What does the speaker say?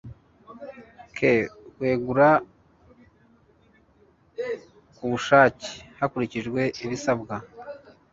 k wegura ku bushake hakurikijwe ibisabwa